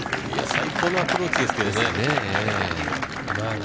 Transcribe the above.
最高のアプローチですけどね。